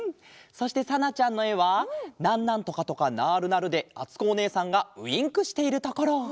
そしてさなちゃんのえは「なんなん、とかとか、なるなる」であつこおねえさんがウインクしているところ。